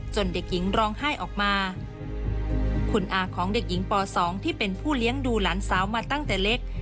เด็กหญิงร้องไห้ออกมาคุณอาของเด็กหญิงป๒ที่เป็นผู้เลี้ยงดูหลานสาวมาตั้งแต่เล็ก